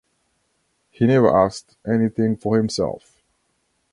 He never asked anything for himself.